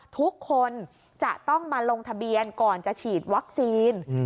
ทุกคนจะต้องมาลงทะเบียนก่อนจะฉีดวัคซีน